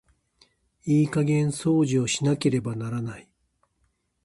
いい加減掃除をしなければならない。